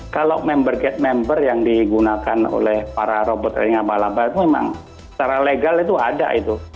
kalau member get member yang digunakan oleh para robot airnya abal abal itu memang secara legal itu ada itu